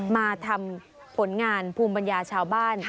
มาทำผลงานภูมิปัญญาชาวบ้าน